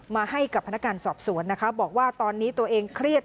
มาให้กับพนักงานสอบสวนนะคะบอกว่าตอนนี้ตัวเองเครียด